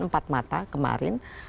empat mata kemarin